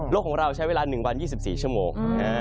ของเราใช้เวลา๑วัน๒๔ชั่วโมง